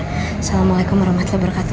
assalamualaikum warahmatullah wabarakatuh